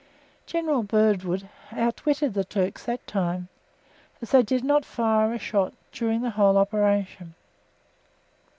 General Birdwood outwitted the Turks that time, as they did not fire a shot during the whole operation.